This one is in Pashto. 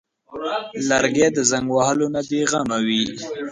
لرګی د زنګ وهلو نه بېغمه وي.